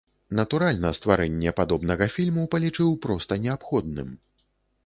Натуральна, стварэнне падобнага фільму палічыў проста неабходным.